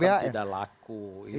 bukan tidak laku